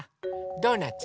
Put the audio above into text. ドーナツ？